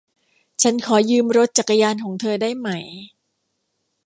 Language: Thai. ฉันขอยืมรถจักรยานของเธอได้ไหม